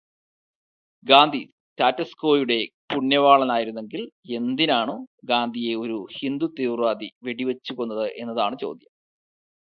Gandhi status ക്വോയുടെ പുണ്യവാളനായിരുന്നെങ്കില് എന്തിനാണു ഗാന്ധിയെ ഒരു ഹിന്ദുത്വതീവ്രവാദി വെടിവച്ച് കൊന്നത് എന്നതാണു ചോദ്യം.